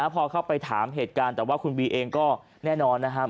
พอเข้าไปถามเหตุการณ์แต่ว่าคุณบีเองก็แน่นอนนะครับ